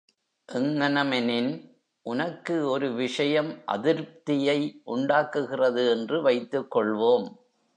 எங்ஙனமெனின், உனக்கு ஒரு விஷயம் அதிருப்தியை உண்டாக்குகிறது என்று வைத்துக்கொள்வோம்.